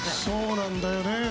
そうなんだよね。